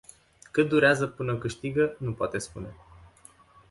Cât durează până câștigă, nu poate spune.